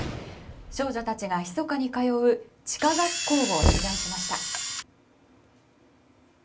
少女たちがひそかに通う地下学校を取材しました。